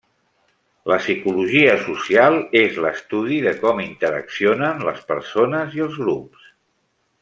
La psicologia social és l'estudi de com interaccionen les persones i els grups.